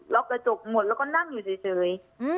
็อกกระจกหมดแล้วก็นั่งอยู่เฉย